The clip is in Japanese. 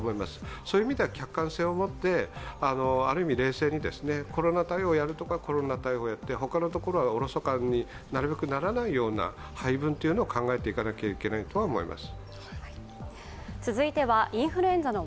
そういう意味では客観性を持って、ある意味冷静にコロナ対応をやるところはやって、他のところがおろそかになるべくならないような配分というのを考えていかなきゃいけないとは思います。